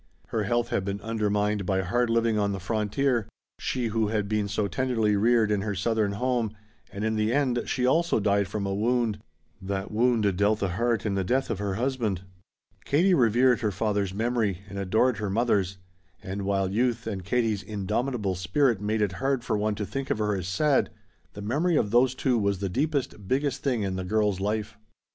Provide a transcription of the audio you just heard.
Her health had been undermined by hard living on the frontier she who had been so tenderly reared in her southern home and in the end she also died from a wound, that wound dealt the heart in the death of her husband. Katie revered her father's memory and adored her mother's, and while youth and Katie's indomitable spirit made it hard for one to think of her as sad, the memory of those two was the deepest, biggest thing in the girl's life.